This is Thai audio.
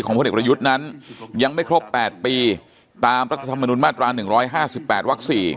พลเอกประยุทธ์นั้นยังไม่ครบ๘ปีตามรัฐธรรมนุนมาตรา๑๕๘วัก๔